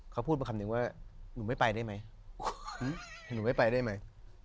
เขาพูดมาคำนึงว่าหนูไม่ไปได้ไหมหนูไม่ไปได้ไหม